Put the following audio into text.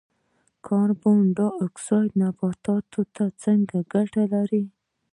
کاربن ډای اکسایډ نباتاتو ته څه ګټه لري؟